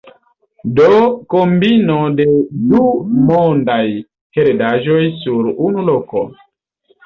Do kombino de du mondaj heredaĵoj sur unu loko.